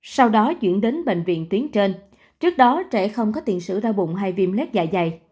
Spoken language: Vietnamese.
sau đó chuyển đến bệnh viện tuyến trên trước đó trẻ không có tiện sử đau bụng hay viêm lét dạ dày